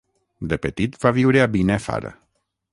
De petit va viure a Binèfar.